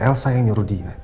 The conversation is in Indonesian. elsa yang nyuruh dia